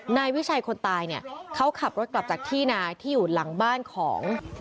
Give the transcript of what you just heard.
นายวิชัยคนตายเนี่ยเขาขับรถกลับจากที่นาที่อยู่หลังบ้านของ